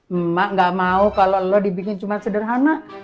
emak gak mau kalau lo dibikin cuma sederhana